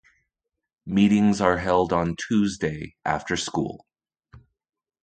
Meetings are held every Tuesday after school.